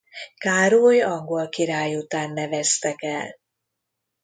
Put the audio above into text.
Károly angol király után neveztek el.